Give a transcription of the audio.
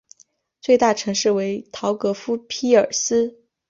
最大城市为陶格夫匹尔斯。